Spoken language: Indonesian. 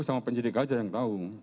sama penyidik aja yang tahu